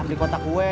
beli kotak kue